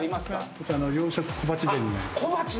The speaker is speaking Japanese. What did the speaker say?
こちらの洋食小鉢膳になります。